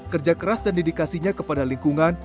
kerja keras dan dedikasinya kepada lingkungan